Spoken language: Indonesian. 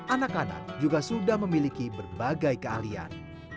anak anak juga sudah memiliki berbagai keahlian